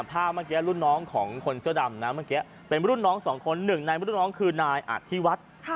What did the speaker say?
ภาพเมื่อกี้รุ่นน้องของคนเสื้อดำนะเมื่อกี้เป็นรุ่นน้องสองคนหนึ่งในรุ่นน้องคือนายอธิวัฒน์